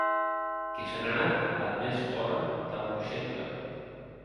Que se n'a anat ath mès córrer damb Grushenka!